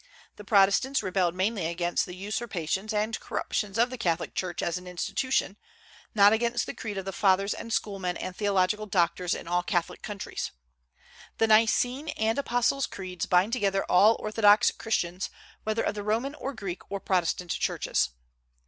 The Protestants rebelled mainly against the usurpations and corruptions of the Catholic Church as an institution, not against the creed of the Fathers and schoolmen and theological doctors in all Catholic countries. The Nicene and Apostles' creeds bind together all orthodox Christians, whether of the Roman or Greek or Protestant churches.